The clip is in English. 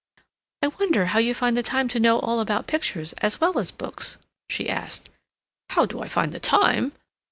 "I wonder how you find the time to know all about pictures as well as books?" she asked. "How do I find the time?"